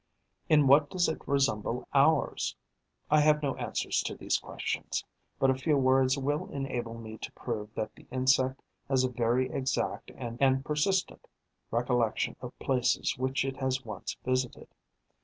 In what does it resemble ours? I have no answers to these questions; but a few words will enable me to prove that the insect has a very exact and persistent recollection of places which it has once visited.